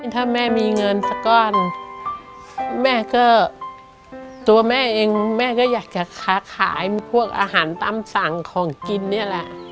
ถ้าแม่มีเงินสักก้อนแม่ก็ตัวแม่เองแม่ก็อยากจะค้าขายพวกอาหารตามสั่งของกินนี่แหละ